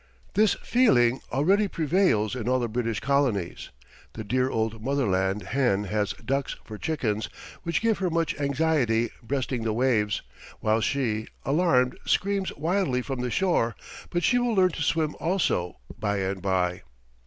This feeling already prevails in all the British colonies. The dear old Motherland hen has ducks for chickens which give her much anxiety breasting the waves, while she, alarmed, screams wildly from the shore; but she will learn to swim also by and by.